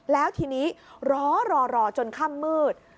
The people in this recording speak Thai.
แล้วทีนี้รอรอรอจนข้ามมืด